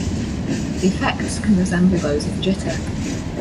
The effects can resemble those of jitter.